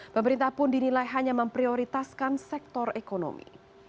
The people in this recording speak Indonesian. pemerintah pun dinilai hanya memprioritaskan sektor ekonomi